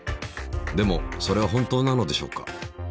でもそれは本当なのでしょうか。